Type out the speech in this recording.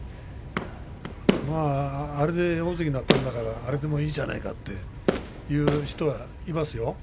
まあ、あれで大関になったんだからあれでもいいじゃないかと言う人もいますよ。